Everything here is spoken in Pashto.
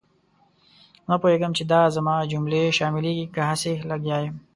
نه پوهېږم چې دا زما جملې شاملېږي که هسې لګیا یم.